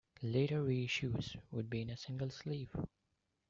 Later reissues would be in a single sleeve.